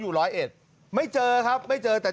การนอนไม่จำเป็นต้องมีอะไรกัน